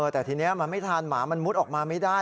แต่ทีนี้มันไม่ทันหมามันมุดออกมาไม่ได้